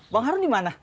bang harun dimana